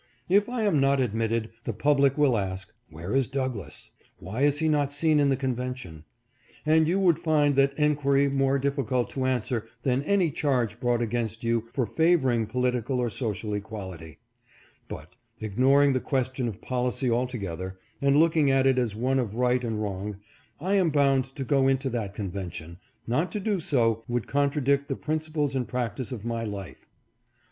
If I am not admitted, the public will ask, ' Where is Douglass ? Why is he not seen in the convention ?' and you would find that enquiry more diffi cult to answer than any charge brought against you for favoring political or social equality ; but, ignoring the question of policy altogether, and looking at it as one of right and wrong, I am bound to go into that convention ; not to do so, would contradict the principle and practice of my life."